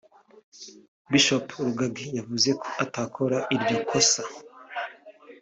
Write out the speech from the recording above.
Bishop Rugagi yavuze ko atakora iryo kosa